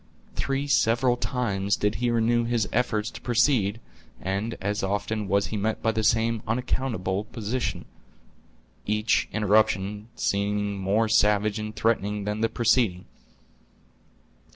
Three several times did he renew his efforts to proceed, and as often was he met by the same unaccountable opposition, each interruption seeming more savage and threatening than the preceding.